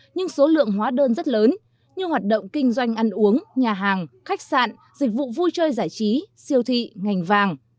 nhưng số lượng hóa đơn rất lớn như hoạt động kinh doanh ăn uống nhà hàng khách sạn dịch vụ vui chơi giải trí siêu thị ngành vàng